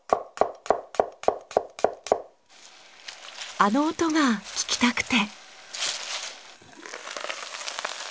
あの音が聞きたくて。